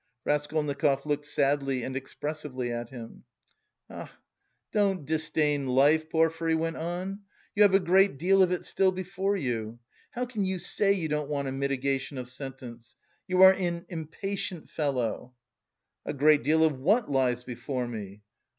Raskolnikov looked sadly and expressively at him. "Ah, don't disdain life!" Porfiry went on. "You have a great deal of it still before you. How can you say you don't want a mitigation of sentence? You are an impatient fellow!" "A great deal of what lies before me?"